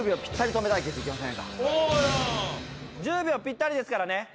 １０秒ぴったりですからね。